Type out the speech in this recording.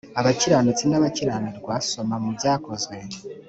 abakiranutsi n abakiranirwa soma mu byakozwe